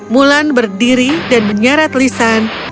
mulan berdiri dan menyeret lisan